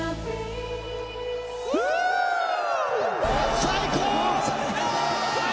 最高！